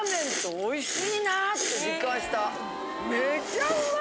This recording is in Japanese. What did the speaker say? おいしい。